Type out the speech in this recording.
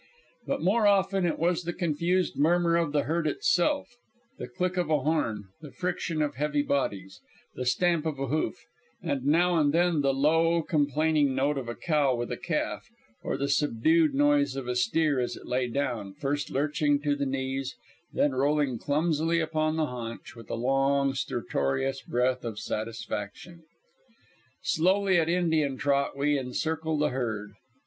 But more often it was the confused murmur of the herd itself the click of a horn, the friction of heavy bodies, the stamp of a hoof, with now and then the low, complaining note of a cow with a calf, or the subdued noise of a steer as it lay down, first lurching to the knees, then rolling clumsily upon the haunch, with a long, stertorous breath of satisfaction. Slowly at Indian trot we encircle the herd.